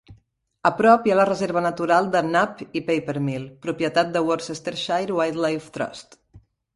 A prop, hi ha la reserva natural de Knapp i Papermill, propietat del Worcestershire Wildlife Trust.